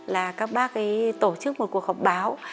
là các bác ấy tổ chức một cuộc họp báo